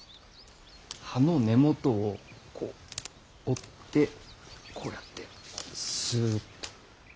葉の根元をこう折ってこうやってすっと。